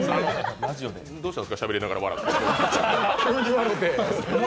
どうしたんですか、しゃべりながら笑って。